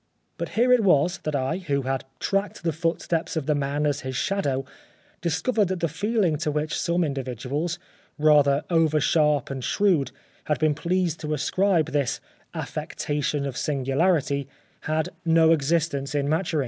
But here it was that I, who had tracked the footsteps of the man as his shadow, discovered that the feeling to which some in dividuals, rather over sharp and shrewd, had been pleased to ascribe this '^ affectation of singularity " had no existence in Maturin.